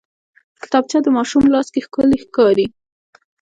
کتابچه د ماشوم لاس کې ښکلي ښکاري